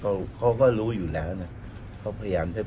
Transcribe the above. เวลาที่พอเกิดเหตุแล้วตามเข้าไปในพื้นที่